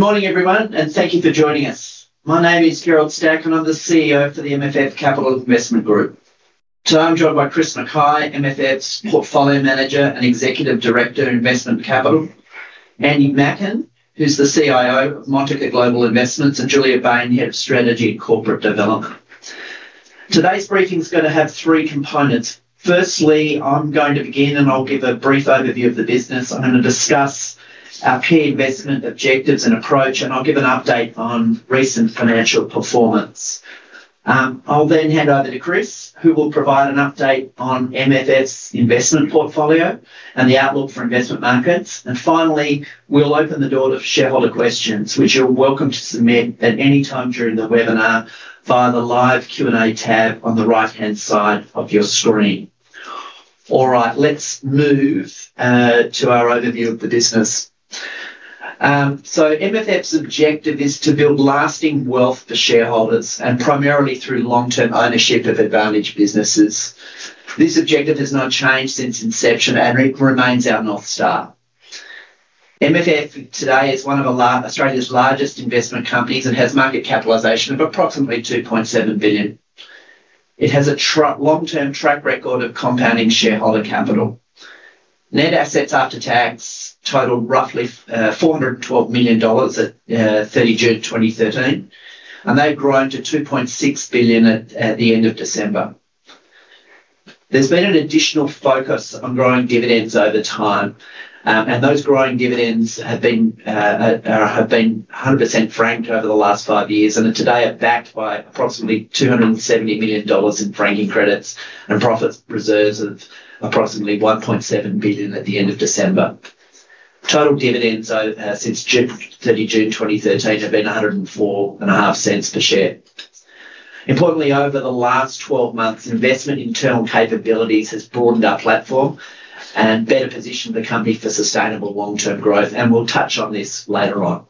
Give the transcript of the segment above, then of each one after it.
Good morning everyone, and thank you for joining us. My name is Gerald Stack, and I'm the CEO for MFF Capital Investments. Today, I'm joined by Chris Mackay, MFF's Portfolio Manager and Executive Director, Investment Capital, Andy Macken, who's the CIO of Montaka Global Investments, and Julia Baine, Head of Strategy and Corporate Development. Today's briefing is gonna have three components. Firstly, I'm going to begin, and I'll give a brief overview of the business. I'm gonna discuss our key investment objectives and approach, and I'll give an update on recent financial performance. I'll then hand over to Chris, who will provide an update on MFF's investment portfolio and the outlook for investment markets. Finally, we'll open the door to shareholder questions, which you're welcome to submit at any time during the webinar via the Live Q&A tab on the right-hand side of your screen. All right. Let's move to our overview of the business. MFF's objective is to build lasting wealth for shareholders and primarily through long-term ownership of advantaged businesses. This objective has not changed since inception, and it remains our North Star. MFF today is one of Australia's largest investment companies and has market capitalization of approximately 2.7 billion. It has a long-term track record of compounding shareholder capital. Net assets after tax totaled roughly 412 million dollars at 30 June 2013, and they've grown to 2.6 billion at the end of December. There's been an additional focus on growing dividends over time, and those growing dividends have been 100% franked over the last five years, and today are backed by approximately 270 million dollars in franking credits and profit reserves of approximately 1.7 billion at the end of December. Total dividends since 30 June 2013 have been 1.045 per share. Importantly, over the last 12 months, investing in internal capabilities has broadened our platform and better positioned the company for sustainable long-term growth, and we'll touch on this later on.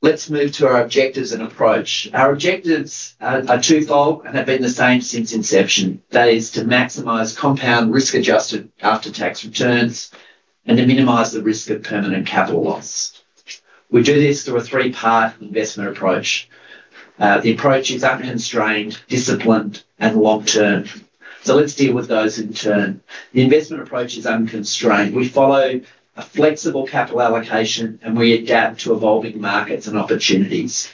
Let's move to our objectives and approach. Our objectives are twofold and have been the same since inception. That is to maximize compound risk-adjusted after-tax returns and to minimize the risk of permanent capital loss. We do this through a three-part investment approach. The approach is unconstrained, disciplined, and long-term. Let's deal with those in turn. The investment approach is unconstrained. We follow a flexible capital allocation, and we adapt to evolving markets and opportunities.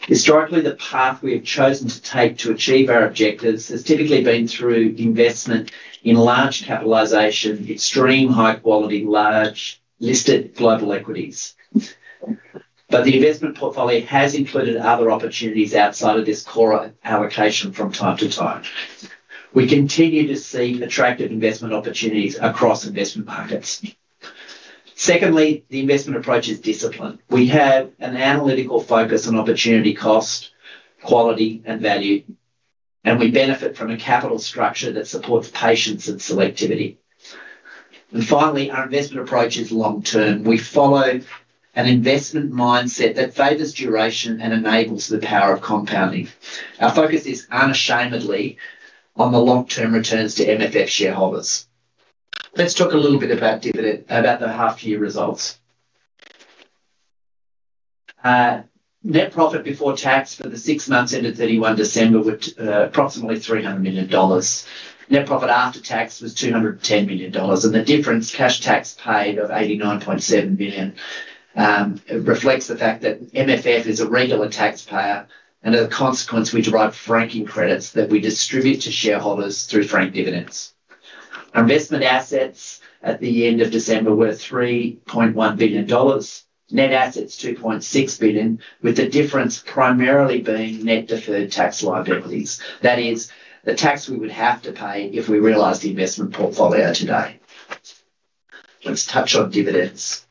Historically, the path we have chosen to take to achieve our objectives has typically been through investment in large capitalization, extremely high quality, large listed global equities. The investment portfolio has included other opportunities outside of this core allocation from time to time. We continue to see attractive investment opportunities across investment markets. Secondly, the investment approach is disciplined. We have an analytical focus on opportunity cost, quality, and value, and we benefit from a capital structure that supports patience and selectivity. Finally, our investment approach is long-term. We follow an investment mindset that favors duration and enables the power of compounding. Our focus is unashamedly on the long-term returns to MFF shareholders. Let's talk a little bit about the half-year results. Net profit before tax for the six months ended 31 December were approximately 300 million dollars. Net profit after tax was 210 million dollars, and the difference, cash tax paid of 89.7 million, reflects the fact that MFF is a regular taxpayer, and as a consequence, we derive franking credits that we distribute to shareholders through franked dividends. Our investment assets at the end of December were 3.1 billion dollars. Net assets, 2.6 billion, with the difference primarily being net deferred tax liabilities. That is the tax we would have to pay if we realized the investment portfolio today. Let's touch on dividends.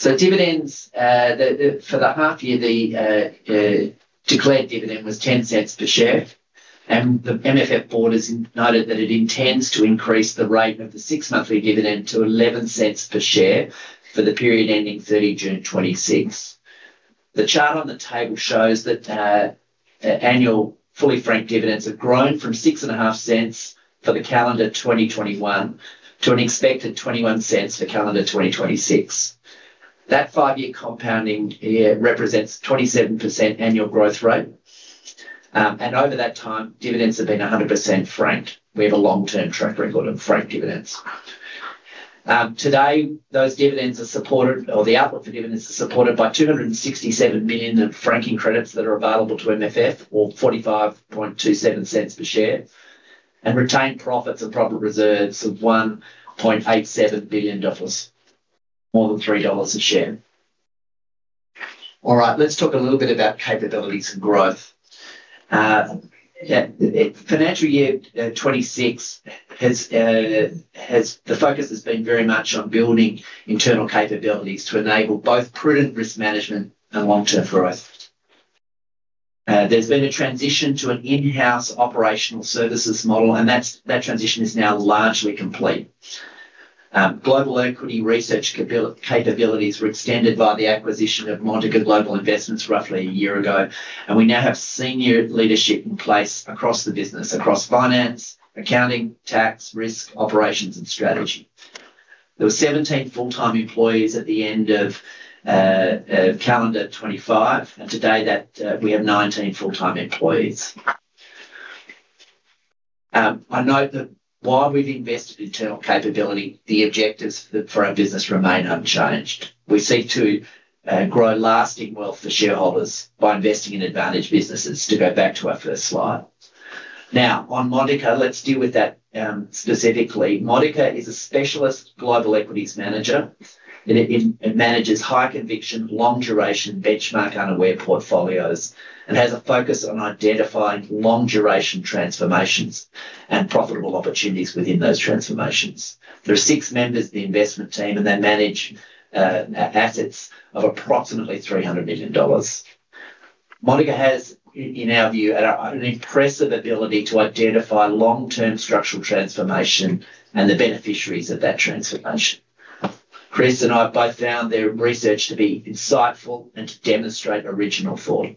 Dividends for the half-year, the declared dividend was 0.10 per share, and the MFF board has noted that it intends to increase the rate of the six monthly dividend to 0.11 per share for the period ending 30 June 2026. The chart on the table shows that annual fully franked dividends have grown from 0.065 for the calendar 2021 to an expected 0.21 for calendar 2026. That five-year compounding year represents 27% annual growth rate. Over that time, dividends have been 100% franked. We have a long-term track record of franked dividends. Today, those dividends are supported, or the outlook for dividends is supported by 267 million of franking credits that are available to MFF or 0.4527 per share, and retained profits and profit reserves of 1.87 billion dollars, more than 3 dollars a share. All right. Let's talk a little bit about capabilities and growth. Financial year 2026, the focus has been very much on building internal capabilities to enable both prudent risk management and long-term growth. There's been a transition to an in-house operational services model, and that transition is now largely complete. Global equity research capabilities were extended by the acquisition of Montaka Global Investments roughly a year ago, and we now have senior leadership in place across the business, across finance, accounting, tax, risk, operations, and strategy. There were 17 full-time employees at the end of 2025, and today that we have 19 full-time employees. I note that while we've invested internal capability, the objectives for our business remain unchanged. We seek to grow lasting wealth for shareholders by investing in advantage businesses to go back to our first slide. Now, on Montaka, let's deal with that specifically. Montaka is a specialist global equities manager. It manages high conviction, long duration, benchmark unaware portfolios and has a focus on identifying long duration transformations and profitable opportunities within those transformations. There are six members of the investment team, and they manage assets of approximately $300 million. Montaka has in our view an impressive ability to identify long-term structural transformation and the beneficiaries of that transformation. Chris and I have both found their research to be insightful and to demonstrate original thought.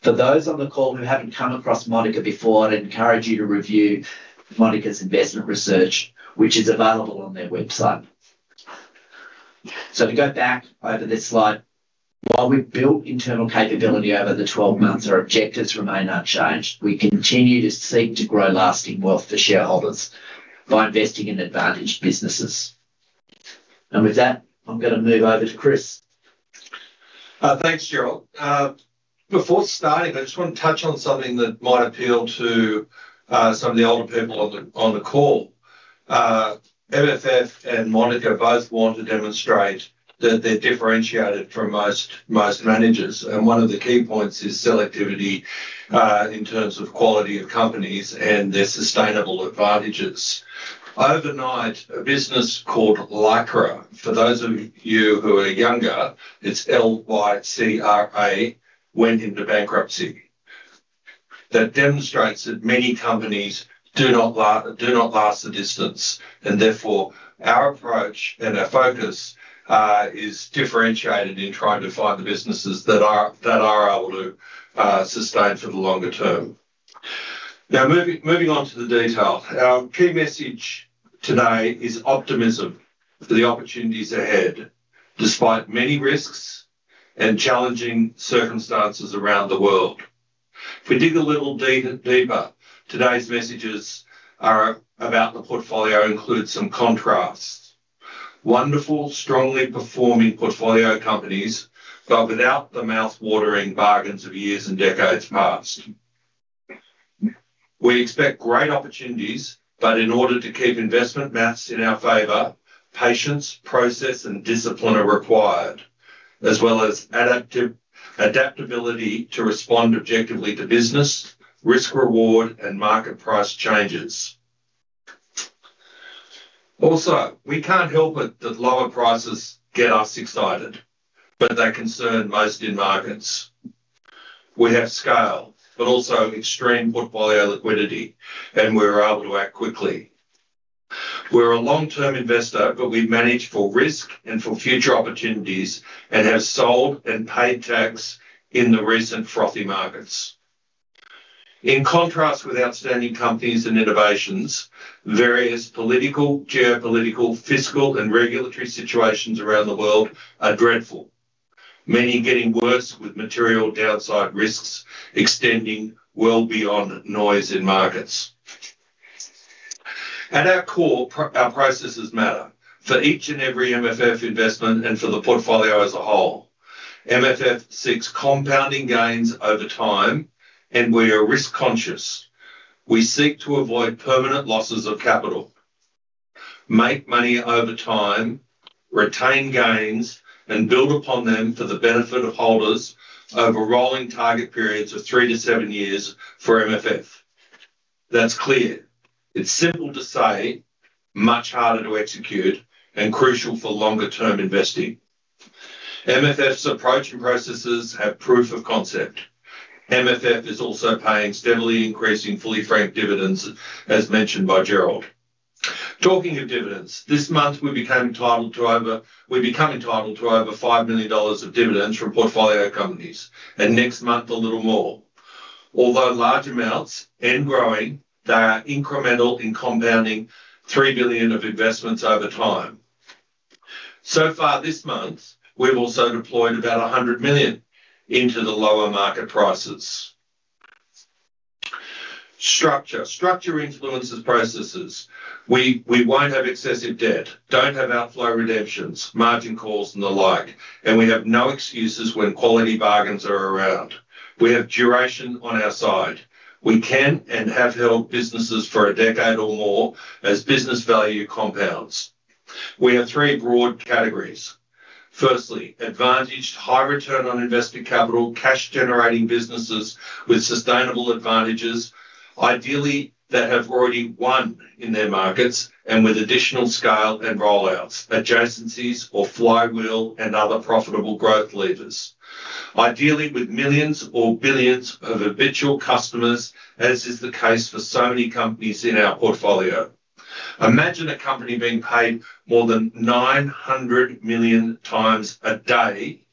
For those on the call who haven't come across Montaka before, I'd encourage you to review Montaka's investment research, which is available on their website. To go back over this slide, while we've built internal capability over the 12 months, our objectives remain unchanged. We continue to seek to grow lasting wealth for shareholders by investing in advantaged businesses. With that, I'm gonna move over to Chris. Thanks, Gerald. Before starting, I just wanna touch on something that might appeal to some of the older people on the call. MFF and Montaka both want to demonstrate that they're differentiated from most managers, and one of the key points is selectivity in terms of quality of companies and their sustainable advantages. Overnight, a business called Lycra went into bankruptcy. For those of you who are younger, it's L-Y-C-R-A. That demonstrates that many companies do not last the distance, and therefore, our approach and our focus is differentiated in trying to find the businesses that are able to sustain for the longer term. Now, moving on to the detail. Our key message today is optimism for the opportunities ahead, despite many risks and challenging circumstances around the world. If we dig a little deeper, today's messages are about the portfolio include some contrasts. Wonderful, strongly performing portfolio companies, but without the mouth-watering bargains of years and decades past. We expect great opportunities, but in order to keep investment math in our favor, patience, process, and discipline are required, as well as adaptability to respond objectively to business, risk reward, and market price changes. Also, we can't help it that lower prices get us excited, but they concern most in markets. We have scale, but also extreme portfolio liquidity, and we're able to act quickly. We're a long-term investor, but we manage for risk and for future opportunities and have sold and paid tax in the recent frothy markets. In contrast with outstanding companies and innovations, various political, geopolitical, fiscal, and regulatory situations around the world are dreadful, many getting worse with material downside risks extending well beyond noise in markets. At our core, our processes matter for each and every MFF investment and for the portfolio as a whole. MFF seeks compounding gains over time, and we are risk-conscious. We seek to avoid permanent losses of capital, make money over time, retain gains, and build upon them for the benefit of holders over rolling target periods of three to seven years for MFF. That's clear. It's simple to say, much harder to execute, and crucial for longer term investing. MFF's approach and processes have proof of concept. MFF is also paying steadily increasing fully franked dividends, as mentioned by Gerald. Talking of dividends, this month, we became entitled to over We become entitled to over 5 million dollars of dividends from portfolio companies, and next month, a little more. Although large amounts and growing, they are incremental in compounding 3 billion of investments over time. Far this month, we've also deployed about 100 million into the lower market prices. Structure. Structure influences processes. We won't have excessive debt, don't have outflow redemptions, margin calls, and the like, and we have no excuses when quality bargains are around. We have duration on our side. We can and have held businesses for a decade or more as business value compounds. We have three broad categories. Firstly, advantaged, high return on invested capital, cash generating businesses with sustainable advantages, ideally that have already won in their markets and with additional scale and roll-outs, adjacencies or flywheel and other profitable growth levers. Ideally, with millions or billions of habitual customers, as is the case for so many companies in our portfolio. Imagine a company being paid more than 900 million times a day,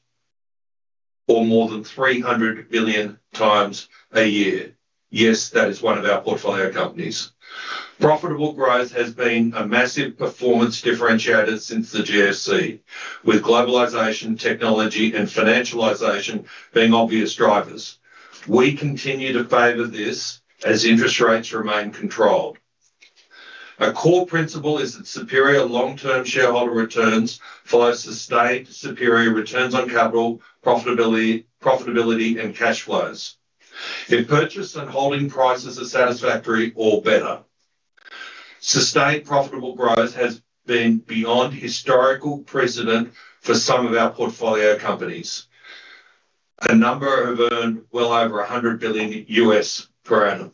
or more than 300 billion times a year. Yes, that is one of our portfolio companies. Profitable growth has been a massive performance differentiator since the GFC, with globalization, technology, and financialization being obvious drivers. We continue to favor this as interest rates remain controlled. A core principle is that superior long-term shareholder returns follow sustained superior returns on capital, profitability and cash flows. If purchase and holding prices are satisfactory or better. Sustained profitable growth has been beyond historical precedent for some of our portfolio companies. A number have earned well over $100 billion per annum.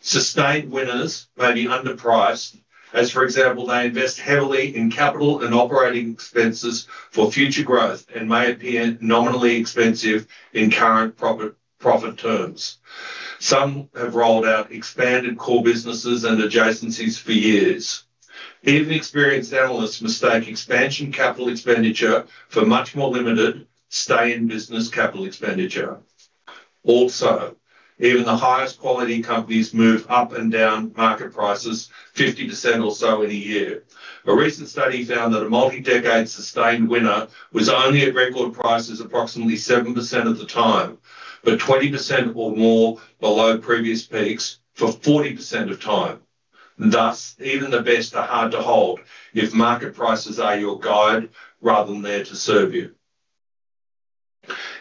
Sustained winners may be underpriced as, for example, they invest heavily in capital and operating expenses for future growth and may appear nominally expensive in current profit terms. Some have rolled out expanded core businesses and adjacencies for years. Even experienced analysts mistake expansion capital expenditure for much more limited stay-in business capital expenditure. Also, even the highest quality companies move up and down market prices 50% or so in a year. A recent study found that a multi-decade sustained winner was only at record prices approximately 7% of the time, but 20% or more below previous peaks for 40% of time. Thus, even the best are hard to hold if market prices are your guide rather than there to serve you.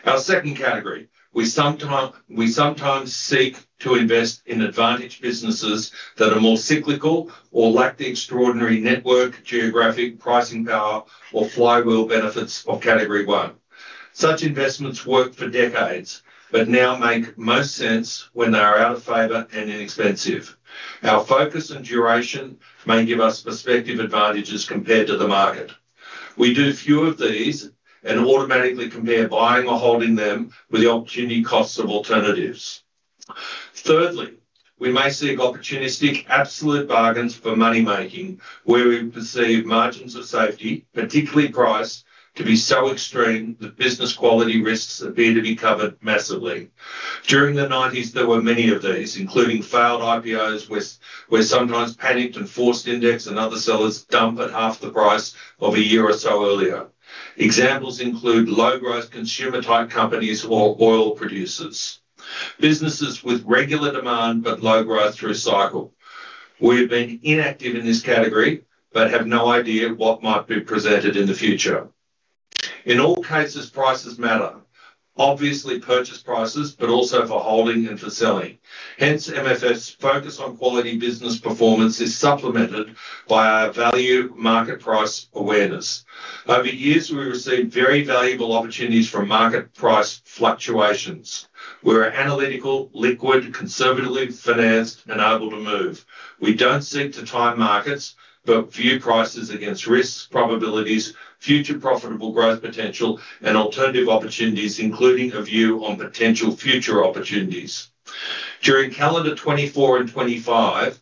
Our second category, we sometimes seek to invest in advantage businesses that are more cyclical or lack the extraordinary network, geographic pricing power, or flywheel benefits of Category 1. Such investments worked for decades, but now make most sense when they are out of favor and inexpensive. Our focus and duration may give us perspective advantages compared to the market. We do few of these and automatically compare buying or holding them with the opportunity costs of alternatives. Thirdly, we may seek opportunistic absolute bargains for money-making, where we perceive margins of safety, particularly price, to be so extreme that business quality risks appear to be covered massively. During the nineties, there were many of these, including failed IPOs where sometimes panicked and forced index and other sellers dump at half the price of a year or so earlier. Examples include low growth consumer type companies or oil producers. Businesses with regular demand but low growth through a cycle. We have been inactive in this category, but have no idea what might be presented in the future. In all cases, prices matter. Obviously purchase prices, but also for holding and for selling. Hence, MFF's focus on quality business performance is supplemented by our value market price awareness. Over years, we've received very valuable opportunities from market price fluctuations. We're analytical, liquid, conservatively financed and able to move. We don't seek to time markets, but view prices against risks, probabilities, future profitable growth potential, and alternative opportunities, including a view on potential future opportunities. During calendar 2024 and 2025,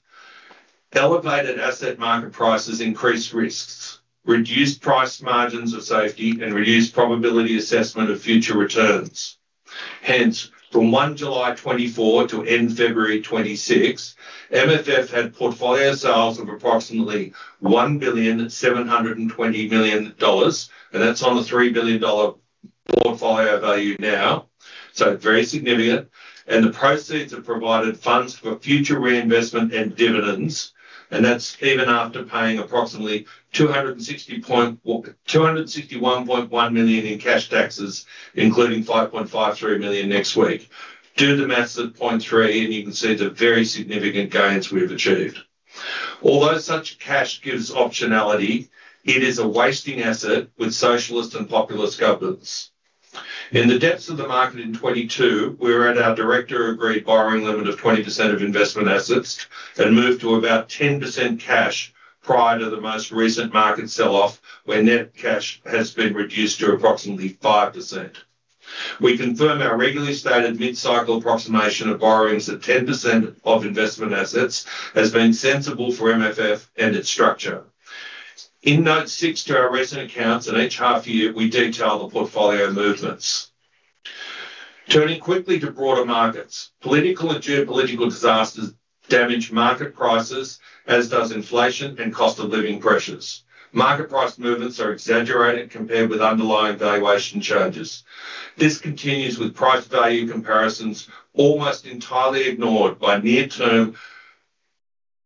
elevated asset market prices increased risks, reduced price margins of safety, and reduced probability assessment of future returns. Hence, from 1 July 2024 to end February 2026, MFF had portfolio sales of approximately 1.72 billion, and that's on a 3 billion dollar portfolio value now, so very significant. The proceeds have provided funds for future reinvestment and dividends, and that's even after paying approximately 261.1 million in cash taxes, including 5.53 million next week. Do the math at 0.3, and you can see the very significant gains we have achieved. Although such cash gives optionality, it is a wasting asset with socialist and populist governance. In the depths of the market in 2022, we were at our director-agreed borrowing limit of 20% of investment assets and moved to about 10% cash prior to the most recent market sell-off, where net cash has been reduced to approximately 5%. We confirm our regularly stated mid-cycle approximation of borrowings at 10% of investment assets has been sensible for MFF and its structure. In note 6 to our recent accounts and each half-year, we detail the portfolio movements. Turning quickly to broader markets. Political and geopolitical disasters damage market prices, as does inflation and cost of living pressures. Market price movements are exaggerated compared with underlying valuation changes. This continues with price value comparisons almost entirely ignored by near term,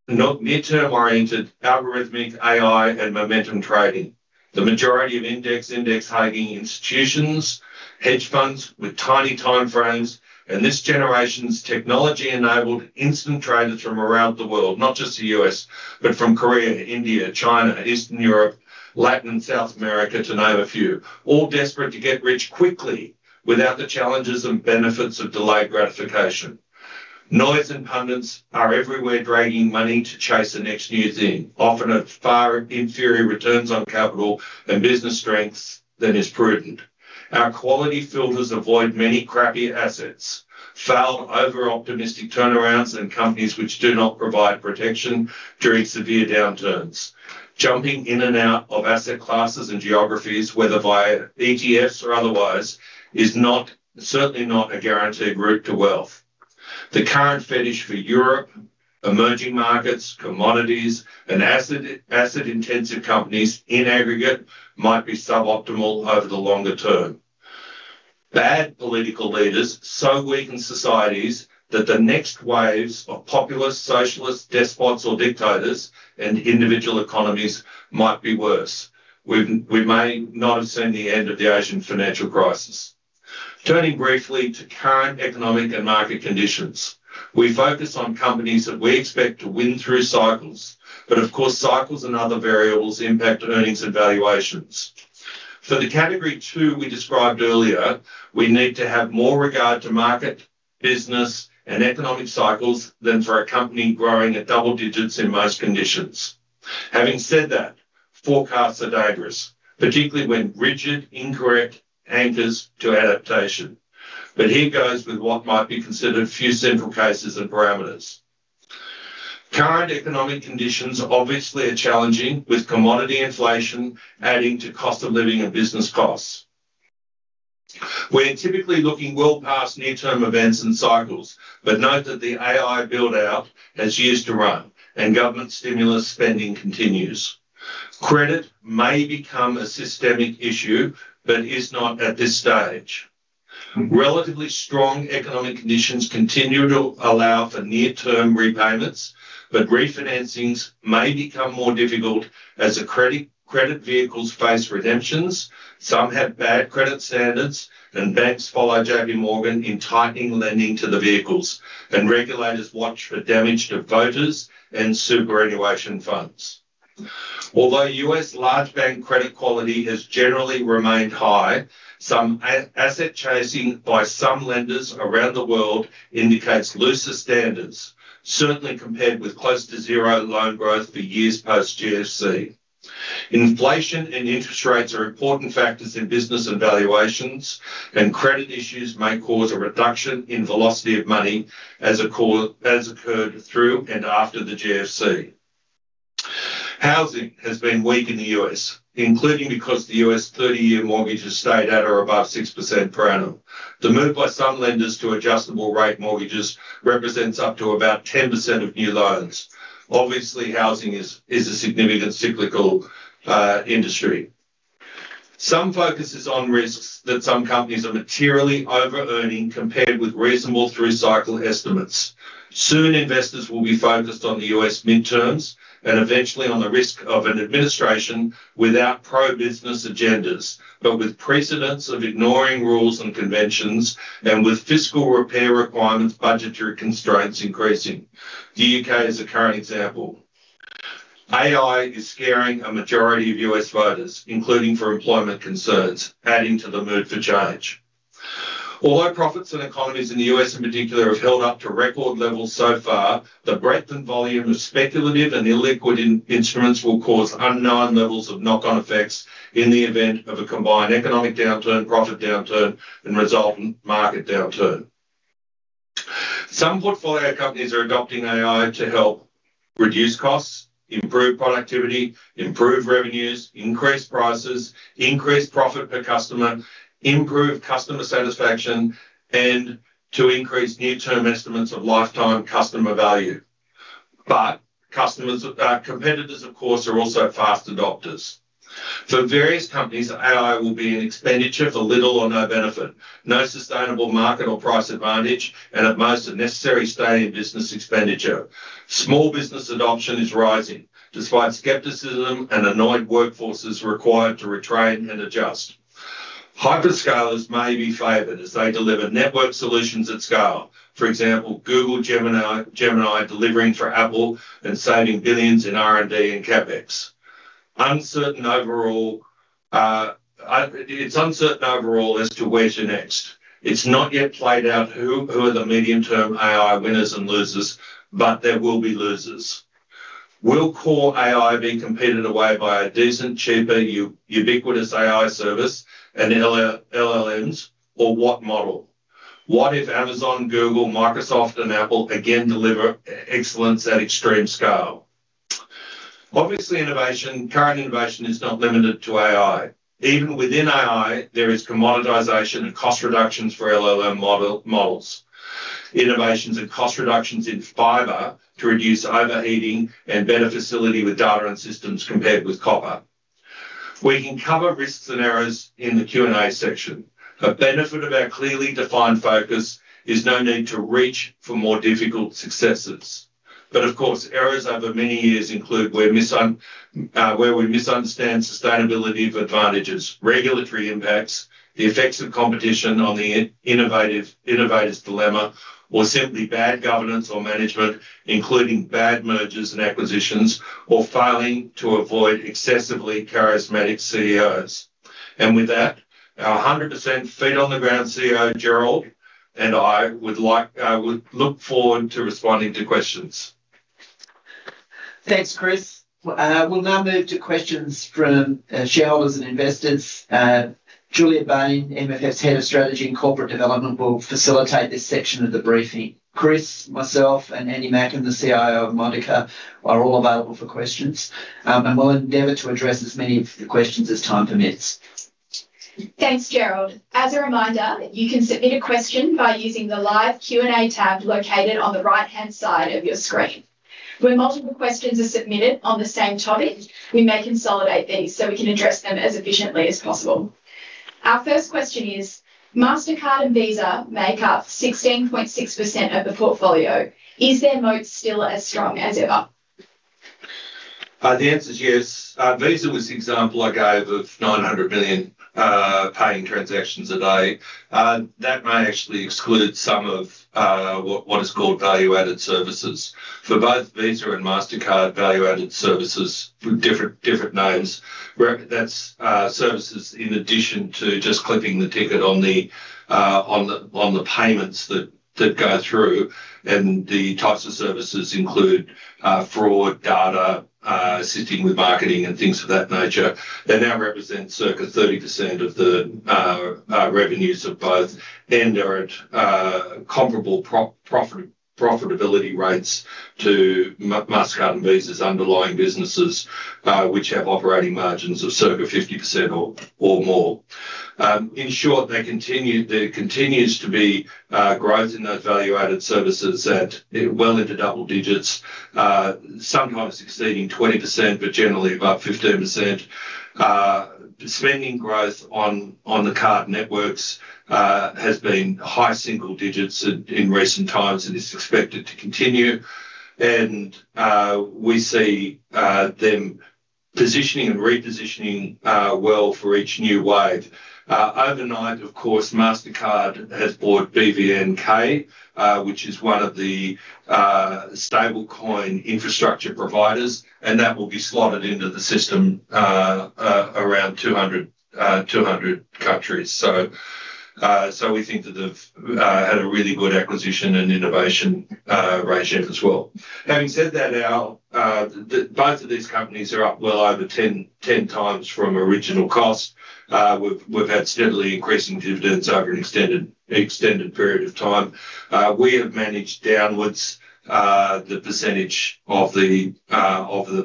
not near-term oriented algorithmic AI and momentum trading. The majority of index hedging institutions, hedge funds with tiny time frames and this generation's technology-enabled instant traders from around the world, not just the U.S., but from Korea to India, China, Eastern Europe, Latin and South America to name a few, all desperate to get rich quickly without the challenges and benefits of delayed gratification. Noise and pundits are everywhere dragging money to chase the next new thing, often at far inferior returns on capital and business strengths than is prudent. Our quality filters avoid many crappy assets, and over-optimistic turnarounds and companies which do not provide protection during severe downturns. Jumping in and out of asset classes and geographies, whether via ETFs or otherwise, is not, certainly not a guaranteed route to wealth. The current fetish for Europe, emerging markets, commodities, and CapEx-intensive companies in aggregate might be suboptimal over the longer term. Bad political leaders so weaken societies that the next waves of populist, socialist despots or dictators and individual economies might be worse. We may not have seen the end of the Asian financial crisis. Turning briefly to current economic and market conditions. We focus on companies that we expect to win through cycles. Of course, cycles and other variables impact earnings and valuations. For the category two we described earlier, we need to have more regard to market, business, and economic cycles than for a company growing at double digits in most conditions. Having said that, forecasts are dangerous, particularly when rigid, incorrect anchors to adaptation. Here goes with what might be considered a few central cases and parameters. Current economic conditions obviously are challenging, with commodity inflation adding to cost of living and business costs. We're typically looking well past near-term events and cycles, but note that the AI build-out has years to run and government stimulus spending continues. Credit may become a systemic issue, but is not at this stage. Relatively strong economic conditions continue to allow for near-term repayments, but refinancings may become more difficult as the credit vehicles face redemptions. Some have bad credit standards, and banks follow JPMorgan in tightening lending to the vehicles and regulators watch for damage to voters and superannuation funds. Although U.S. large bank credit quality has generally remained high, some asset chasing by some lenders around the world indicates looser standards, certainly compared with close to zero loan growth for years post-GFC. Inflation and interest rates are important factors in business and valuations, and credit issues may cause a reduction in velocity of money as occurred through and after the GFC. Housing has been weak in the U.S., including because the U.S. 30-year mortgage has stayed at or above 6% per annum. The move by some lenders to adjustable rate mortgages represents up to about 10% of new loans. Obviously, housing is a significant cyclical industry. Some focus is on risks that some companies are materially over-earning compared with reasonable through cycle estimates. Soon, investors will be focused on the U.S. midterms and eventually on the risk of an administration without pro-business agendas, but with precedents of ignoring rules and conventions and with fiscal repair requirements, budgetary constraints increasing. The U.K. is a current example. AI is scaring a majority of U.S. voters, including for employment concerns, adding to the mood for change. Although profits and economies in the U.S. in particular have held up to record levels so far, the breadth and volume of speculative and illiquid instruments will cause unknown levels of knock-on effects in the event of a combined economic downturn, profit downturn, and resultant market downturn. Some portfolio companies are adopting AI to help reduce costs, improve productivity, improve revenues, increase prices, increase profit per customer, improve customer satisfaction, and to increase near-term estimates of lifetime customer value. Customers, competitors, of course, are also fast adopters. For various companies, AI will be an expenditure for little or no benefit, no sustainable market or price advantage, and at most, a necessary stay in business expenditure. Small business adoption is rising despite skepticism and annoyed workforces required to retrain and adjust. Hyperscalers may be favored as they deliver network solutions at scale. For example, Google Gemini delivering for Apple and saving billions in R&D and CapEx. Uncertain overall. It's uncertain overall as to where to next. It's not yet played out who are the medium-term AI winners and losers, but there will be losers. Will core AI be competed away by a decent, cheaper ubiquitous AI service and LLMs or what model? What if Amazon, Google, Microsoft and Apple again deliver excellence at extreme scale? Obviously, innovation, current innovation is not limited to AI. Even within AI, there is commoditization and cost reductions for LLM models. Innovations and cost reductions in fiber to reduce overheating and better facility with data and systems compared with copper. We can cover risks and errors in the Q&A section. A benefit of our clearly defined focus is no need to reach for more difficult successes. Of course, errors over many years include where we misunderstand sustainability of advantages, regulatory impacts, the effects of competition on the innovator's dilemma, or simply bad governance or management, including bad mergers and acquisitions or failing to avoid excessively charismatic CEOs. With that, our 100% feet-on-the-ground CEO, Gerald, and I would like, would look forward to responding to questions. Thanks, Chris. We'll now move to questions from shareholders and investors. Julia Bain, MFF Head of Strategy and Corporate Development, will facilitate this section of the briefing. Chris, myself, and Andy Macken, the CIO of Montaka, are all available for questions, and we'll endeavor to address as many of the questions as time permits. Thanks, Gerald. As a reminder, you can submit a question by using the Live Q&A tab located on the right-hand side of your screen. Where multiple questions are submitted on the same topic, we may consolidate these so we can address them as efficiently as possible. Our first question is, "Mastercard and Visa make up 16.6% of the portfolio. Is their moat still as strong as ever? The answer is yes. Visa was the example I gave of 900 million paying transactions a day. That may actually exclude some of what is called value-added services. For both Visa and Mastercard, value-added services, different names, where that's services in addition to just clipping the ticket on the payments that go through. The types of services include fraud, data, assisting with marketing and things of that nature. They now represent circa 30% of the revenues of both and are at comparable profitability rates to Mastercard and Visa's underlying businesses, which have operating margins of circa 50% or more. In short, there continues to be growth in those value-added services at well into double digits, sometimes exceeding 20%, but generally about 15%. Spending growth on the card networks has been high single digits in recent times and is expected to continue. We see them positioning and repositioning well for each new wave. Overnight, of course, Mastercard has bought BVNK, which is one of the stablecoin infrastructure providers, and that will be slotted into the system around 200 countries. We think that they've had a really good acquisition and innovation ratio as well. Having said that now, the both of these companies are up well over 10 times from original cost. We've had steadily increasing dividends over an extended period of time. We have managed downwards the percentage of the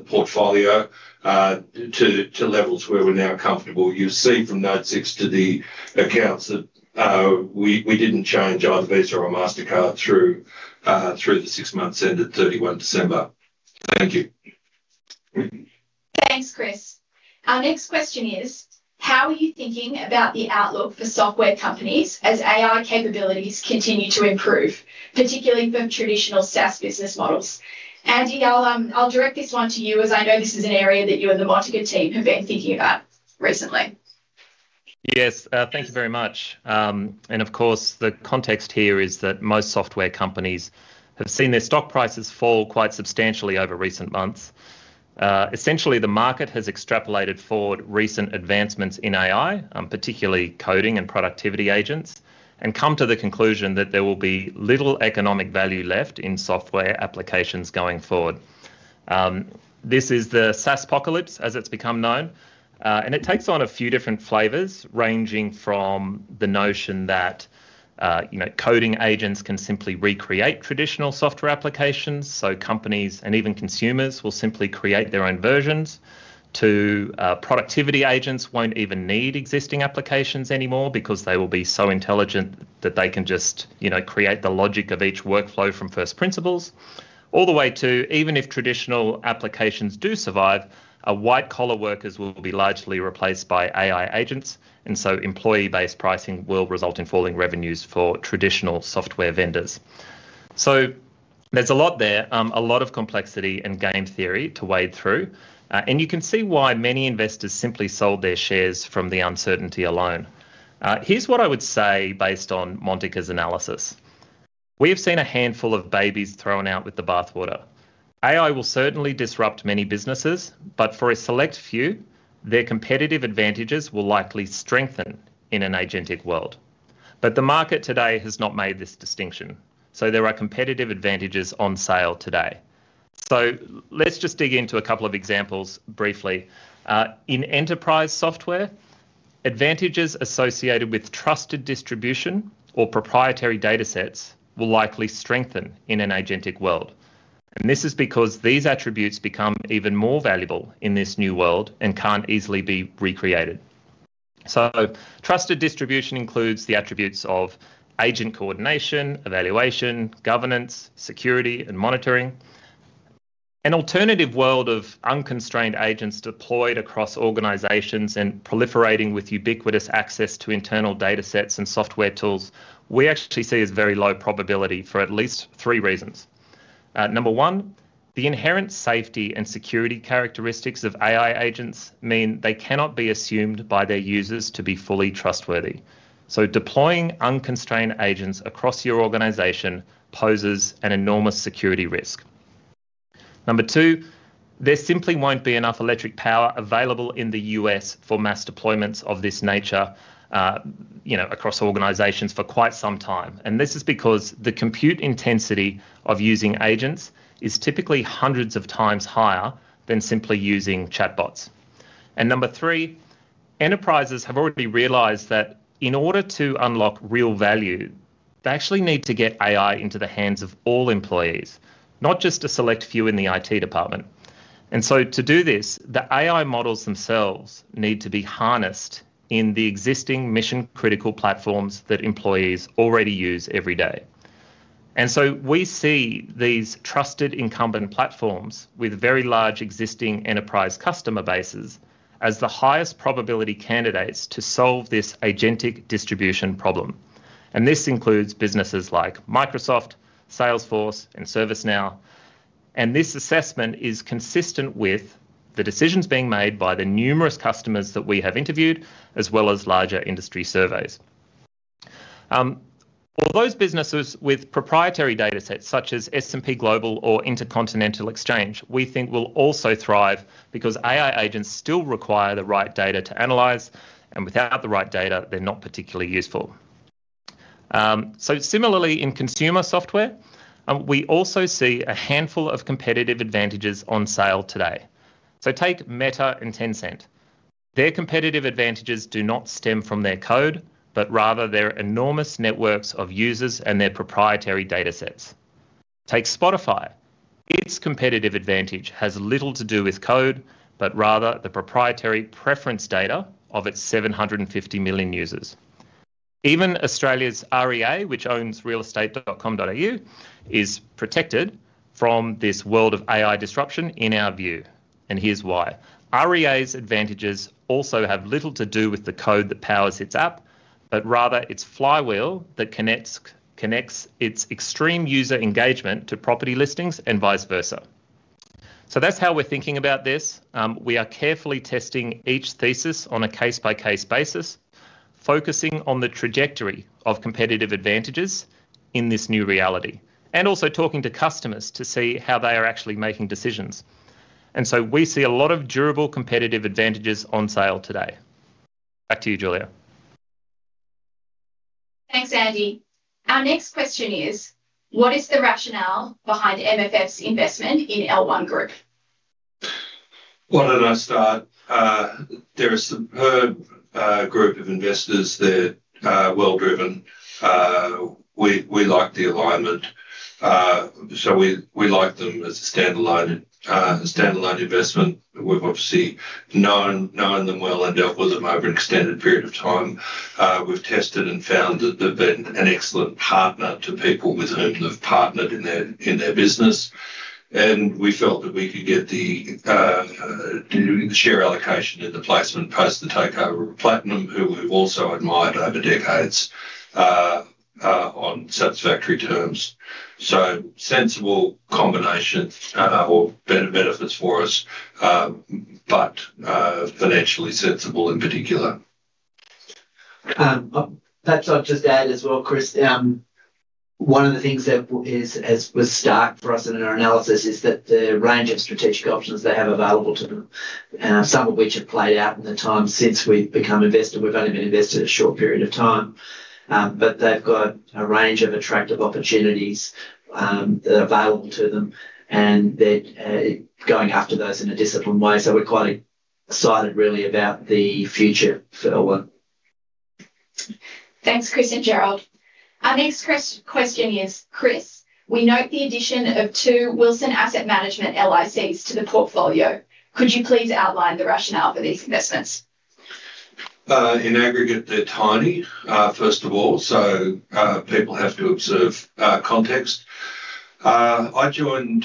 portfolio to levels where we're now comfortable. You'll see from Note 6 to the accounts that we didn't change either Visa or Mastercard through the six months ended 31 December. Thank you. Thanks, Chris. Our next question is, "How are you thinking about the outlook for software companies as AI capabilities continue to improve, particularly for traditional SaaS business models?" Andy, I'll direct this one to you as I know this is an area that you and the Montaka team have been thinking about recently. Yes. Thank you very much. Of course, the context here is that most software companies have seen their stock prices fall quite substantially over recent months. Essentially, the market has extrapolated forward recent advancements in AI, particularly coding and productivity agents, and come to the conclusion that there will be little economic value left in software applications going forward. This is the SaaSpocalypse as it's become known, and it takes on a few different flavors ranging from the notion that, you know, coding agents can simply recreate traditional software applications, so companies and even consumers will simply create their own versions, to, productivity agents won't even need existing applications anymore because they will be so intelligent that they can just, you know, create the logic of each workflow from first principles, all the way to even if traditional applications do survive, white-collar workers will be largely replaced by AI agents, and so employee-based pricing will result in falling revenues for traditional software vendors. There's a lot there, a lot of complexity and game theory to wade through. You can see why many investors simply sold their shares from the uncertainty alone. Here's what I would say based on Montaka's analysis. We have seen a handful of babies thrown out with the bathwater. AI will certainly disrupt many businesses, but for a select few, their competitive advantages will likely strengthen in an agentic world. The market today has not made this distinction, so there are competitive advantages on sale today. Let's just dig into a couple of examples briefly. In enterprise software, advantages associated with trusted distribution or proprietary datasets will likely strengthen in an agentic world, and this is because these attributes become even more valuable in this new world and can't easily be recreated. Trusted distribution includes the attributes of agent coordination, evaluation, governance, security, and monitoring. An alternative world of unconstrained agents deployed across organizations and proliferating with ubiquitous access to internal datasets and software tools, we actually see as very low probability for at least three reasons. Number one, the inherent safety and security characteristics of AI agents mean they cannot be assumed by their users to be fully trustworthy, so deploying unconstrained agents across your organization poses an enormous security risk. Number two, there simply won't be enough electric power available in the U.S. for mass deployments of this nature, you know, across organizations for quite some time, and this is because the compute intensity of using agents is typically hundreds of times higher than simply using chatbots. Number three, enterprises have already realized that in order to unlock real value, they actually need to get AI into the hands of all employees, not just a select few in the IT department. To do this, the AI models themselves need to be harnessed in the existing mission-critical platforms that employees already use every day. We see these trusted incumbent platforms with very large existing enterprise customer bases as the highest probability candidates to solve this agentic distribution problem. This includes businesses like Microsoft, Salesforce and ServiceNow. This assessment is consistent with the decisions being made by the numerous customers that we have interviewed, as well as larger industry surveys. For those businesses with proprietary data sets such as S&P Global or Intercontinental Exchange, we think will also thrive because AI agents still require the right data to analyze, and without the right data, they're not particularly useful. Similarly in consumer software, we also see a handful of competitive advantages on sale today. Take Meta and Tencent. Their competitive advantages do not stem from their code, but rather their enormous networks of users and their proprietary data sets. Take Spotify. Its competitive advantage has little to do with code, but rather the proprietary preference data of its 750 million users. Even Australia's REA, which owns realestate.com.au, is protected from this world of AI disruption in our view, and here's why. REA's advantages also have little to do with the code that powers its app, but rather its flywheel that connects its extreme user engagement to property listings and vice versa. That's how we're thinking about this. We are carefully testing each thesis on a case-by-case basis, focusing on the trajectory of competitive advantages in this new reality, and also talking to customers to see how they are actually making decisions. We see a lot of durable competitive advantages on sale today. Back to you, Julia. Thanks, Andy. Our next question is, what is the rationale behind MFF's investment in L1 Group? Why don't I start? They're a superb group of investors. They're well-driven. We like the alignment. We like them as a standalone investment. We've obviously known them well and dealt with them over an extended period of time. We've tested and found that they've been an excellent partner to people with whom they've partnered in their business. We felt that we could get the share allocation in the placement post the takeover of Platinum, who we've also admired over decades, on satisfactory terms. Sensible combination or benefits for us, but financially sensible in particular. Perhaps I'll just add as well, Chris, one of the things that was stark for us in our analysis is that the range of strategic options they have available to them, some of which have played out in the time since we've become investor, we've only been invested a short period of time. They've got a range of attractive opportunities that are available to them, and they're going after those in a disciplined way. We're quite excited, really, about the future for L1. Thanks, Chris and Gerald. Our next question is, Chris, we note the addition of two Wilson Asset Management LICs to the portfolio. Could you please outline the rationale for these investments? In aggregate, they're tiny, first of all, so people have to observe context. I joined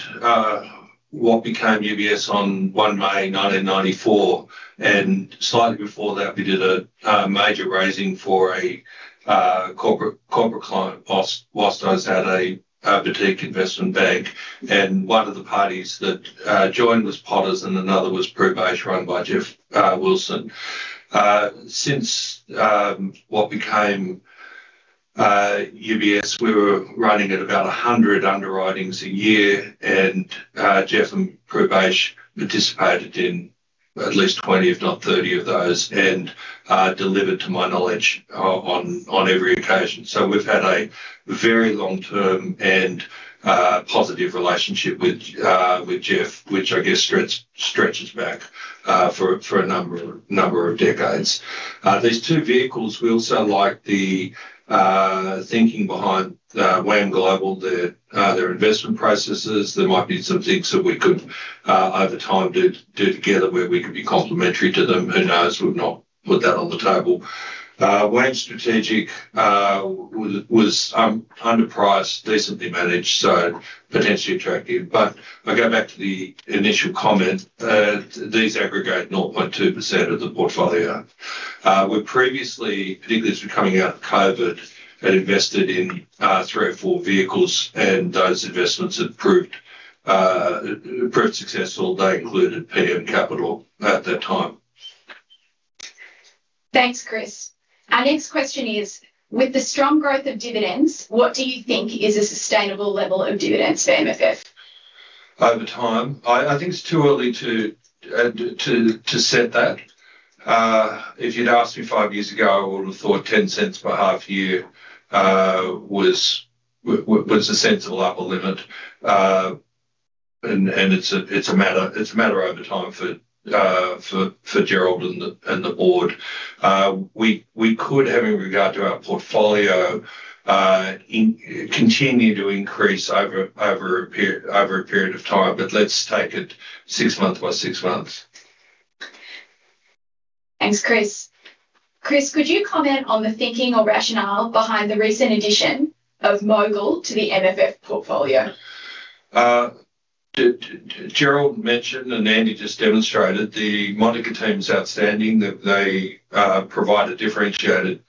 what became UBS on 1 May 1994, and slightly before that, we did a major raising for a corporate client while I was at a boutique investment bank, and one of the parties that joined was Bell Potter, and another was Pru-Bache, run by Geoff Wilson. Since what became UBS, we were running at about 100 underwritings a year, and Geoff and Pru-Bache participated in at least 20, if not 30 of those and delivered, to my knowledge, on every occasion. We've had a very long-term and positive relationship with Geoff, which I guess stretches back for a number of decades. These two vehicles, we also like the thinking behind WAM Global, their investment processes. There might be some things that we could over time do together where we could be complementary to them. Who knows? We've not put that on the table. WAM Strategic was underpriced, decently managed, so potentially attractive. I go back to the initial comment, these aggregate 0.2% of the portfolio. We previously, particularly coming out of COVID, had invested in three or four vehicles, and those investments have proved successful. They included PM Capital at that time. Thanks, Chris. Our next question is, with the strong growth of dividends, what do you think is a sustainable level of dividends for MFF? Over time. I think it's too early to set that. If you'd asked me five years ago, I would have thought 0.10 per half-year was a sensible upper limit. It's a matter over time for Gerald and the board. We could, having regard to our portfolio, continue to increase over a period of time, but let's take it six months by six months. Thanks, Chris. Chris, could you comment on the thinking or rationale behind the recent addition of MOGL to the MFF portfolio? Gerald mentioned and Andy just demonstrated the Montaka team's outstanding. That they provide a differentiated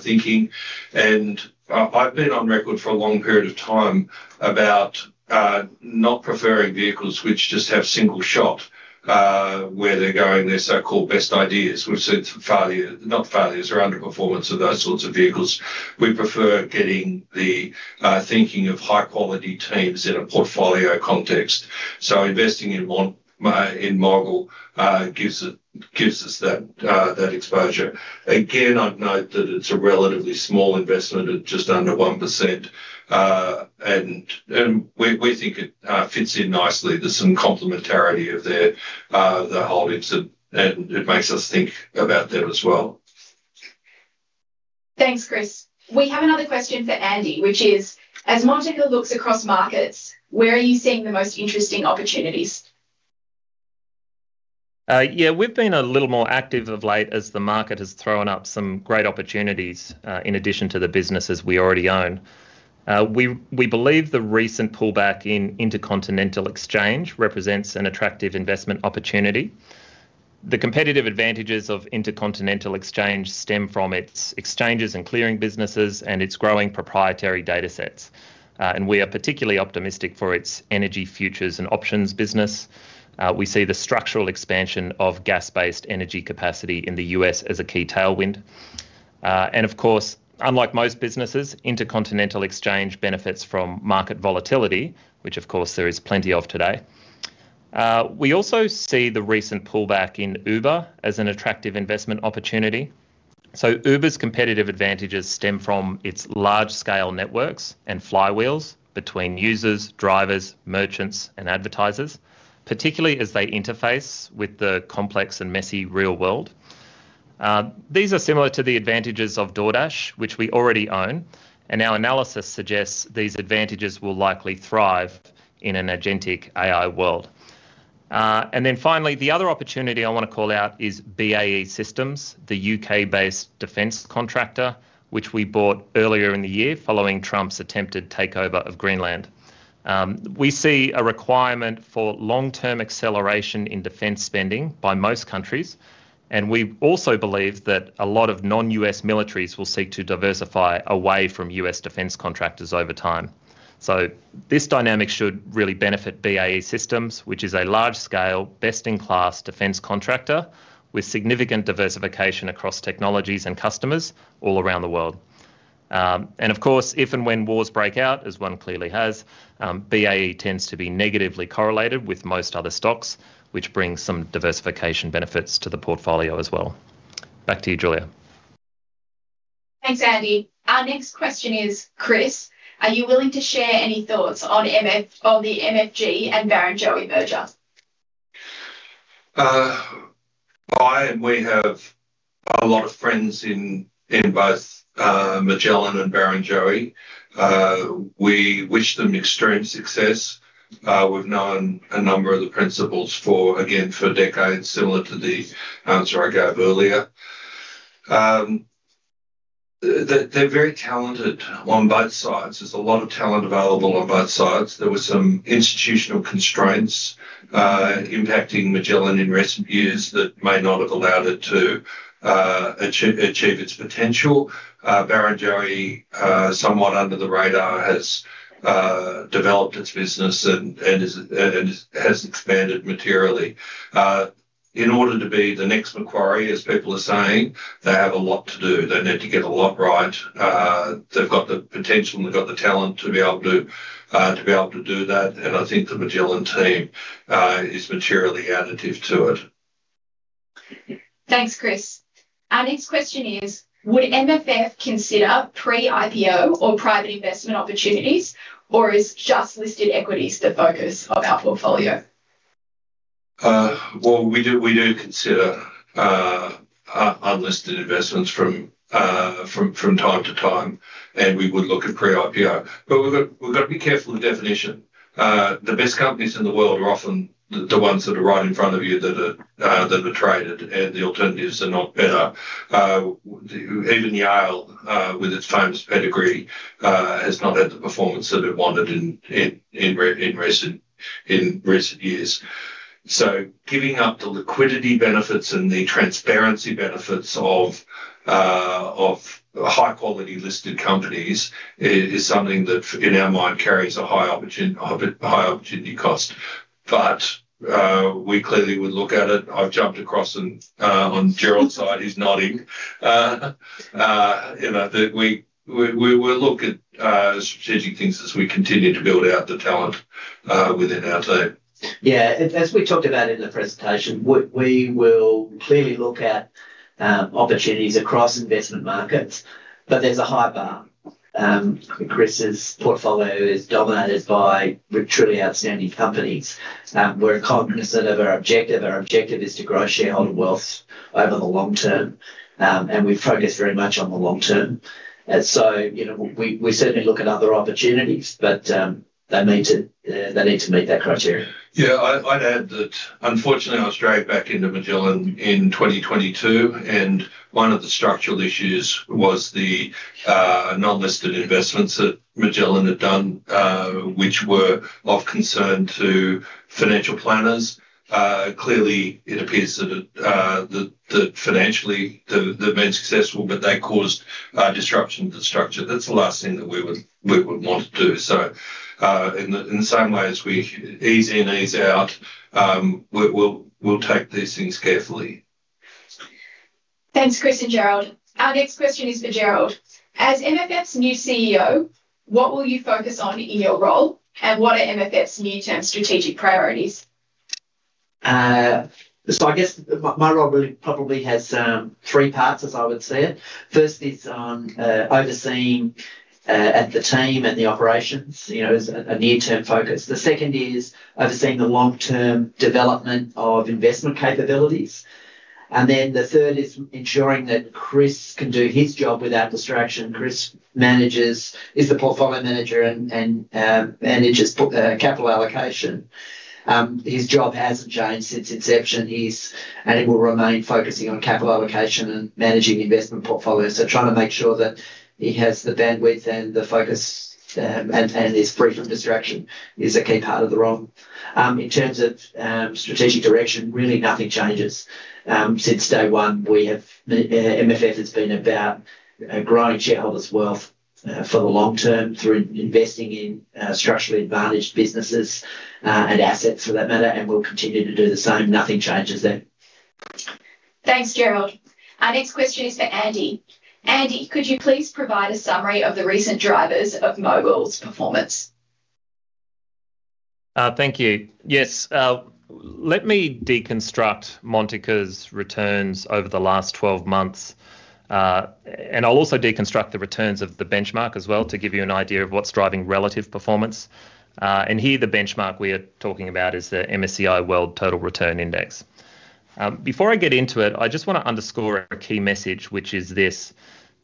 thinking. I've been on record for a long period of time about not preferring vehicles which just have single shot where they're going, their so-called best ideas. We've seen failure not failures or underperformance of those sorts of vehicles. We prefer getting the thinking of high quality teams in a portfolio context. Investing in one in MOGL gives us that exposure. Again, I'd note that it's a relatively small investment at just under 1%, and we think it fits in nicely. There's some complementarity of their holdings and it makes us think about them as well. Thanks, Chris. We have another question for Andy, which is, as Montaka looks across markets, where are you seeing the most interesting opportunities? Yeah, we've been a little more active of late as the market has thrown up some great opportunities, in addition to the businesses we already own. We believe the recent pullback in Intercontinental Exchange represents an attractive investment opportunity. The competitive advantages of Intercontinental Exchange stem from its exchanges and clearing businesses and its growing proprietary datasets. We are particularly optimistic for its energy futures and options business. We see the structural expansion of gas-based energy capacity in the U.S. as a key tailwind. Of course, unlike most businesses, Intercontinental Exchange benefits from market volatility, which of course there is plenty of today. We also see the recent pullback in Uber as an attractive investment opportunity. Uber's competitive advantages stem from its large scale networks and flywheels between users, drivers, merchants and advertisers, particularly as they interface with the complex and messy real world. These are similar to the advantages of DoorDash, which we already own, and our analysis suggests these advantages will likely thrive in an agentic AI world. Finally, the other opportunity I wanna call out is BAE Systems, the U.K.-based defense contractor, which we bought earlier in the year following Trump's attempted takeover of Greenland. We see a requirement for long-term acceleration in defense spending by most countries, and we also believe that a lot of non-U.S. militaries will seek to diversify away from U.S. defense contractors over time. This dynamic should really benefit BAE Systems, which is a large scale, best-in-class defense contractor with significant diversification across technologies and customers all around the world. Of course, if and when wars break out, as one clearly has, BAE tends to be negatively correlated with most other stocks, which brings some diversification benefits to the portfolio as well. Back to you, Julia. Thanks, Andy. Our next question is, Chris, are you willing to share any thoughts on the MFG and Barrenjoey merger? I and we have a lot of friends in both Magellan and Barrenjoey. We wish them extreme success. We've known a number of the principals for, again, for decades, similar to the answer I gave earlier. They're very talented on both sides. There's a lot of talent available on both sides. There were some institutional constraints impacting Magellan in recent years that may not have allowed it to achieve its potential. Barrenjoey, somewhat under the radar, has developed its business and has expanded materially. In order to be the next Macquarie, as people are saying, they have a lot to do. They need to get a lot right. They've got the potential and they've got the talent to be able to do that, and I think the Magellan team is materially additive to it. Thanks, Chris. Our next question is, would MFF consider pre-IPO or private investment opportunities or is just listed equities the focus of our portfolio? Well, we do consider unlisted investments from time to time, and we would look at pre-IPO, but we've got to be careful of the definition. The best companies in the world are often the ones that are right in front of you that are traded, and the alternatives are not better. Even Yale, with its famous pedigree, has not had the performance that it wanted in recent years. Giving up the liquidity benefits and the transparency benefits of high quality listed companies is something that in our mind carries a high opportunity cost. We clearly would look at it. I've jumped across and on Gerald's side, he's nodding. You know, the, we'll look at strategic things as we continue to build out the talent within our team. Yeah. As we talked about in the presentation, we will clearly look at opportunities across investment markets, but there's a high bar. Chris' portfolio is dominated by truly outstanding companies. We're cognizant of our objective. Our objective is to grow shareholder wealth over the long term, and we focus very much on the long term. You know, we certainly look at other opportunities, but they need to meet that criteria. Yeah. I'd add that unfortunately I was dragged back into Magellan in 2022, and one of the structural issues was the non-listed investments that Magellan had done, which were of concern to financial planners. Clearly it appears that financially, they've been successful, but they caused disruption to the structure. That's the last thing that we would want to do. In the same way as we ease in, ease out, we'll take these things carefully. Thanks, Chris and Gerald. Our next question is for Gerald. As MFF's new CEO, what will you focus on in your role, and what are MFF's near-term strategic priorities? I guess my role really probably has three parts, as I would see it. First is overseeing the team and the operations, you know, as a near-term focus. The second is overseeing the long-term development of investment capabilities. Then the third is ensuring that Chris can do his job without distraction. He is the portfolio manager and he does the capital allocation. His job hasn't changed since inception. It will remain focusing on capital allocation and managing the investment portfolio. Trying to make sure that he has the bandwidth and the focus, and is free from distraction is a key part of the role. In terms of strategic direction, really nothing changes. Since day one, we have, MFF has been about growing shareholders' wealth for the long term through investing in structurally advantaged businesses and assets for that matter, and we'll continue to do the same. Nothing changes there. Thanks, Gerald. Our next question is for Andy. Andy, could you please provide a summary of the recent drivers of MOGL's performance? Thank you. Yes. Let me deconstruct Montaka's returns over the last 12 months. I'll also deconstruct the returns of the benchmark as well to give you an idea of what's driving relative performance. Here the benchmark we are talking about is the MSCI World Total Return Index. Before I get into it, I just wanna underscore a key message, which is this.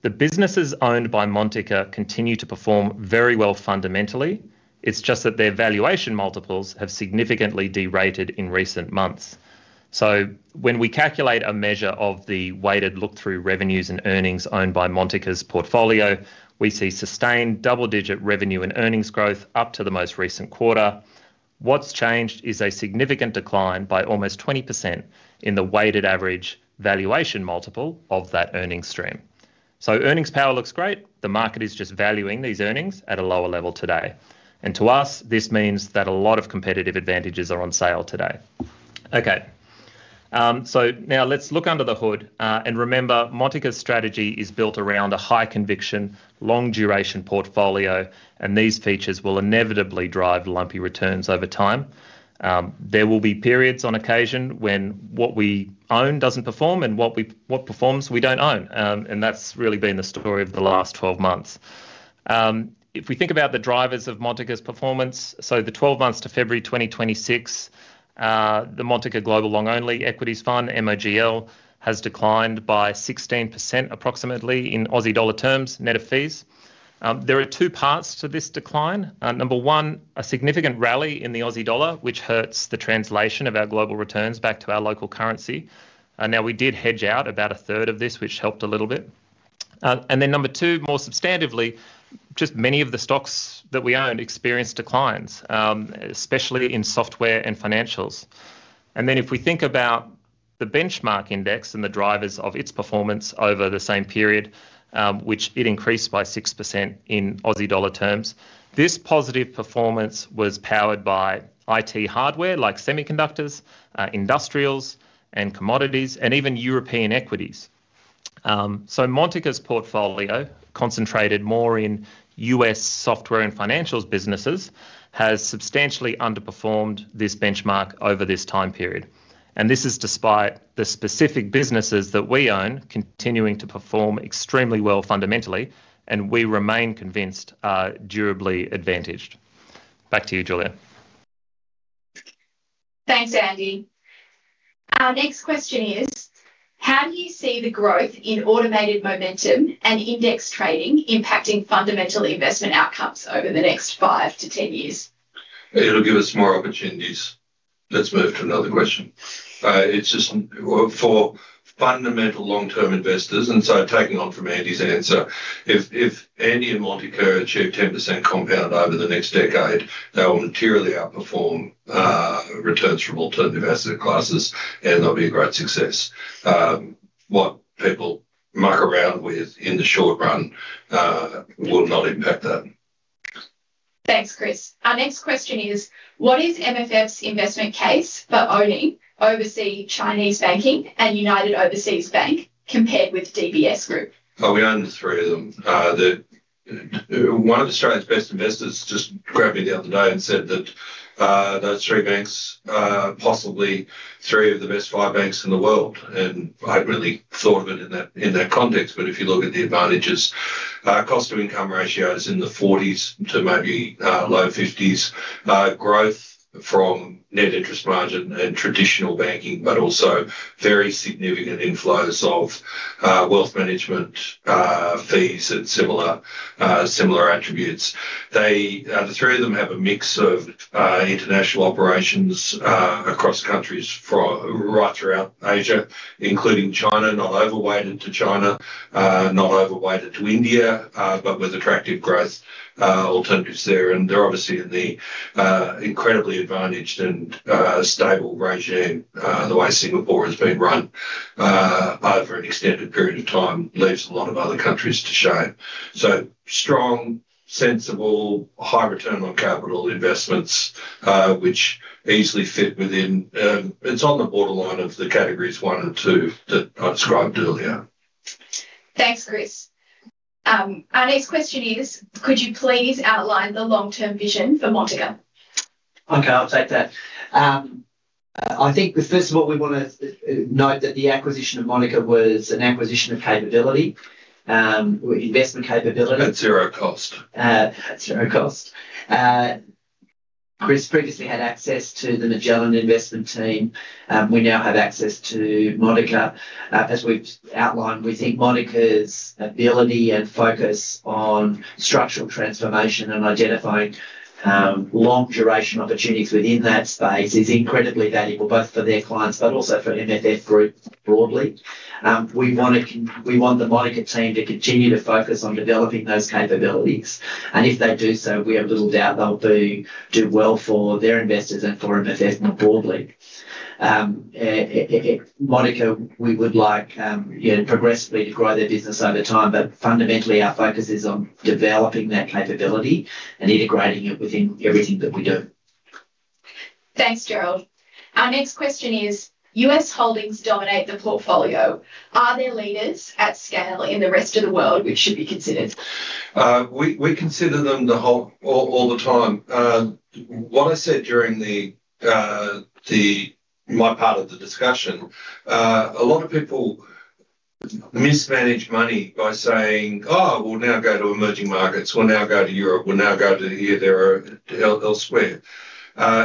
The businesses owned by Montaka continue to perform very well fundamentally. It's just that their valuation multiples have significantly derated in recent months. When we calculate a measure of the weighted look-through revenues and earnings owned by Montaka's portfolio, we see sustained double-digit revenue and earnings growth up to the most recent quarter. What's changed is a significant decline by almost 20% in the weighted average valuation multiple of that earnings stream. Earnings power looks great. The market is just valuing these earnings at a lower level today. To us, this means that a lot of competitive advantages are on sale today. Okay, now let's look under the hood, and remember, Montaka's strategy is built around a high conviction, long duration portfolio, and these features will inevitably drive lumpy returns over time. There will be periods on occasion when what we own doesn't perform and what performs we don't own. That's really been the story of the last 12 months. If we think about the drivers of Montaka's performance, so the 12 months to February 2026, the Montaka Global Long Only Fund, MOGL, has declined by 16% approximately in Aussie dollar terms, net of fees. There are two parts to this decline. Number one, a significant rally in the Aussie dollar, which hurts the translation of our global returns back to our local currency. Now we did hedge out about a third of this, which helped a little bit. Number two, more substantively, just many of the stocks that we own experience declines, especially in software and financials. If we think about the benchmark index and the drivers of its performance over the same period, which it increased by 6% in Aussie dollar terms, this positive performance was powered by IT hardware like semiconductors, industrials and commodities, and even European equities. Montaka's portfolio, concentrated more in U.S. software and financials businesses, has substantially underperformed this benchmark over this time period, and this is despite the specific businesses that we own continuing to perform extremely well fundamentally and we remain convinced are durably advantaged. Back to you, Julia. Thanks, Andy. Our next question is: How do you see the growth in automated momentum and index trading impacting fundamental investment outcomes over the next five to 10 years? It'll give us more opportunities. Let's move to another question. It's just for fundamental long-term investors, and so taking off from Andy's answer, if Andy and Montaka achieve 10% compound over the next decade, they will materially outperform returns from alternative asset classes, and they'll be a great success. What people muck around with in the short run will not impact that. Thanks, Chris. Our next question is: What is MFF's investment case for owning Oversea-Chinese Banking and United Overseas Bank compared with DBS Group? Oh, we own the three of them. One of Australia's best investors just grabbed me the other day and said that those three banks are possibly three of the best five banks in the world. I hadn't really thought of it in that context, but if you look at the advantages. Cost to income ratio is in the 40s to maybe low 50s. Growth from net interest margin and traditional banking, but also very significant inflows of wealth management fees and similar attributes. The three of them have a mix of international operations across countries right throughout Asia, including China. Not overweighted to China, not overweighted to India, but with attractive growth alternatives there. They're obviously in the incredibly advantaged and stable regime. The way Singapore has been run over an extended period of time leaves a lot of other countries to shame. Strong, sensible, high return on capital investments, which easily fit within. It's on the borderline of the categories one and two that I described earlier. Thanks, Chris. Our next question is: Could you please outline the long-term vision for Montaka? Okay, I'll take that. I think first of all we wanna note that the acquisition of Montaka was an acquisition of capability, investment capability. At zero cost. At zero cost. Chris previously had access to the Magellan investment team. We now have access to Montaka. As we've outlined, we think Montaka's ability and focus on structural transformation and identifying long duration opportunities within that space is incredibly valuable, both for their clients but also for MFF Group broadly. We want the Montaka team to continue to focus on developing those capabilities, and if they do so, we have little doubt they'll do well for their investors and for investment broadly. At Montaka we would like progressively to grow their business over time, but fundamentally our focus is on developing that capability and integrating it within everything that we do. Thanks, Gerald. Our next question is: U.S. holdings dominate the portfolio. Are there leaders at scale in the rest of the world which should be considered? We consider them all the time. What I said during my part of the discussion. A lot of people mismanage money by saying, "Oh, we'll now go to emerging markets, we'll now go to Europe, we'll now go to here, there or elsewhere."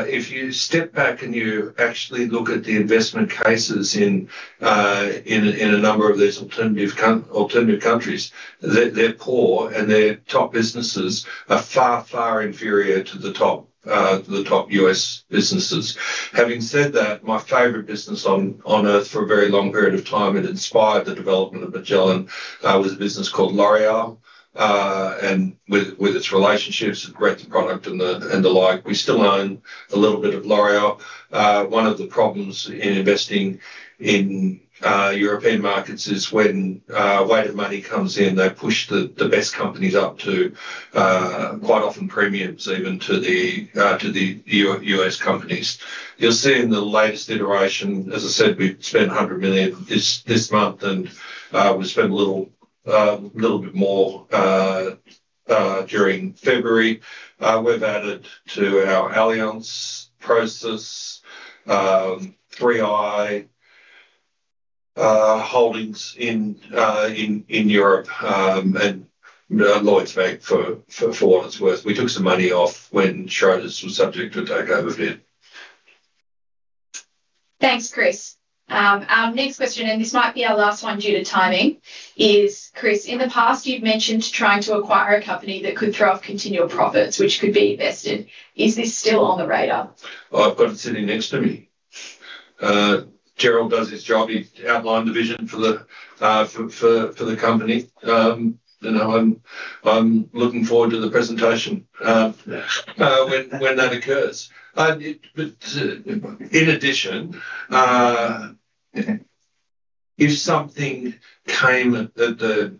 If you step back and you actually look at the investment cases in a number of these alternative countries, they're poor and their top businesses are far inferior to the top U.S. businesses. Having said that, my favorite business on Earth for a very long period of time, it inspired the development of Magellan, was a business called L'Oréal. And with its relationships, a great product and the like. We still own a little bit of L'Oréal. One of the problems in investing in European markets is when weight of money comes in, they push the best companies up to quite often premiums even to the U.S. companies. You'll see in the latest iteration, as I said, we've spent 100 million this month and we spent a little bit more during February. We've added to our Allianz position, 3i holdings in Europe, and Lloyds Bank for what it's worth. We took some money off when Schroders was subject to a takeover bid. Thanks, Chris. Our next question, and this might be our last one due to timing, is Chris, in the past, you've mentioned trying to acquire a company that could throw off continual profits which could be invested. Is this still on the radar? I've got it sitting next to me. Gerald does his job. He outlined the vision for the company. You know, I'm looking forward to the presentation when that occurs. In addition, if something came on the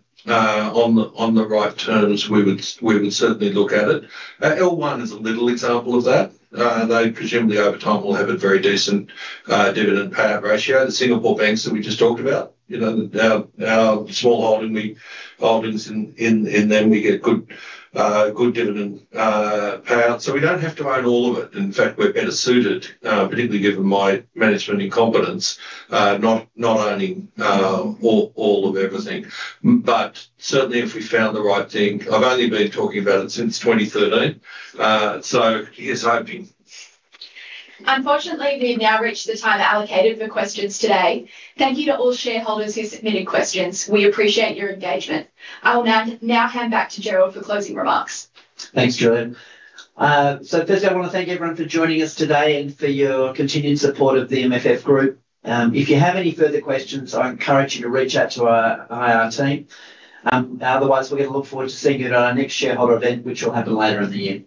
right terms, we would certainly look at it. L1 is a little example of that. They presumably over time will have a very decent dividend payout ratio. The Singapore banks that we just talked about, you know, our small holdings in them, we get good dividend payout. We don't have to own all of it. In fact, we're better suited, particularly given my management incompetence, not owning all of everything. Certainly if we found the right thing. I've only been talking about it since 2013, so here's hoping. Unfortunately, we've now reached the time allocated for questions today. Thank you to all shareholders who submitted questions. We appreciate your engagement. I will now hand back to Gerald for closing remarks. Thanks, Julia. Firstly, I wanna thank everyone for joining us today and for your continued support of the MFF Group. If you have any further questions, I encourage you to reach out to our IR team. Otherwise, we're gonna look forward to seeing you at our next shareholder event, which will happen later in the year.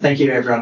Thank you, everyone.